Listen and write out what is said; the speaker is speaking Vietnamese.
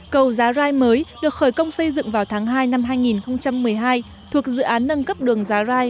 cầu giá rai mới được khởi công xây dựng vào tháng hai năm hai nghìn một mươi hai thuộc dự án nâng cấp đường giá rai